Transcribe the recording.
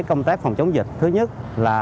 công tác phòng chống dịch thứ nhất là